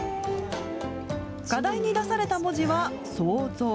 課題に出された文字は創造。